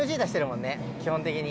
基本的に。